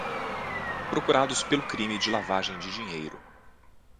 Procurados pelo crime de lavagem de dinheiro